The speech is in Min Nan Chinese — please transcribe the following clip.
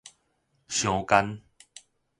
相姦